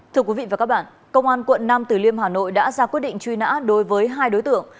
thưa quý vị và các bạn công an quận nam từ liêm hà nội đã ra quyết định truy nã đối với hai đối tượng